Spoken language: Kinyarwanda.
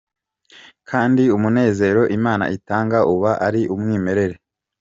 Kandi umunezero Imana itanga uba ari umwimerere.